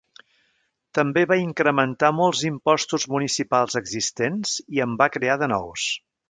També va incrementar molts impostos municipals existents i en va crear de nous.